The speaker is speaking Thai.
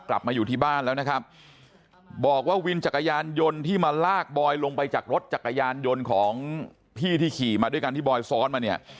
กลับมาอยู่ที่บ้านแล้วนะครับบอกว่าวินจักรยานยนต์ที่มาลากบอยลงไปจากรถจักรยานยนต์ของพี่ที่ขี่มาด้วยกันที่บอยซ้อนมาเนี่ย